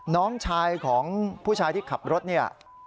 น้องชายของผู้ชายที่ขับรถเนี่ย